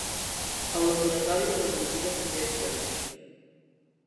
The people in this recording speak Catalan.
El laboratori de les antigues creacions